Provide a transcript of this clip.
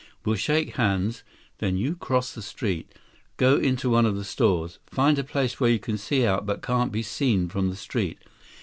We'll shake hands, then you cross the street. Go into one of the stores. Find a place where you can see out but can't be seen from the street.